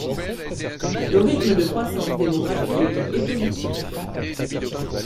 Le rythme de croissance démographique est positif.